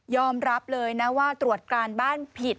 รับเลยนะว่าตรวจการบ้านผิด